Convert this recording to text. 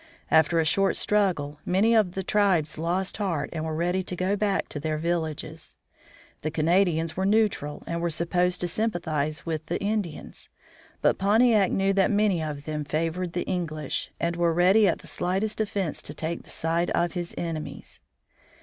After a short struggle many of the tribes lost heart and were ready to go back to their villages. The Canadians were neutral and were supposed to sympathize with the Indians; but Pontiac knew that many of them favored the English, and were ready at the slightest offense to take the side of his enemies.